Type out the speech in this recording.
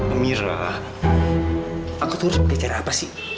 amira aku terus pakai cara apa sih